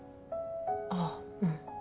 ああうん。